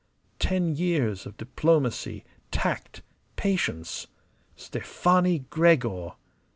Ten years of diplomacy, tact, patience. Stefani Gregor!